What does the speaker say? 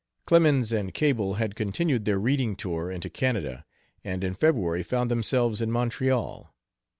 Clemens and Cable had continued their reading tour into Canada, and in February found themselves in Montreal.